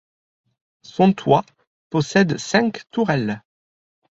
Son toit possède cinq tourelles.